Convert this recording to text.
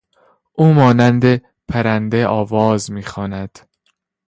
او مانند پرنده آواز میخواند.